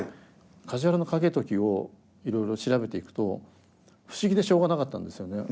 梶原景時をいろいろ調べていくと不思議でしょうがなかったんですよね。